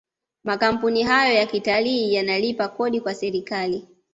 makampuni hayo ya kitalii yanalipa Kodi kwa serikali